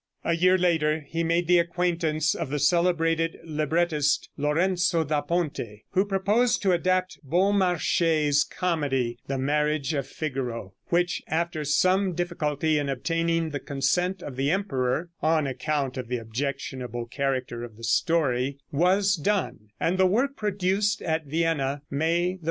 A year later he made the acquaintance of the celebrated librettist, Lorenzo da Ponte, who proposed to adapt Beaumarchais' comedy, "The Marriage of Figaro," which after some difficulty in obtaining the consent of the emperor, on account of the objectionable character of the story, was done, and the work produced at Vienna, May 1, 1786.